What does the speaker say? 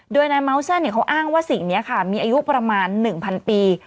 โดยนายเมาส์เขาอ้างว่าสิ่งนี้ค่ะมีอายุประมาณ๑๐๐ปี